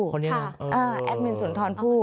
คนนี้เหรอเออแอดมินสุนทรพู